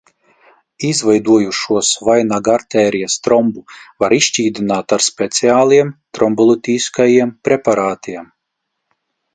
Izveidojušos vainagartērijas trombu var izšķīdināt ar speciāliem trombolītiskajiem preparātiem.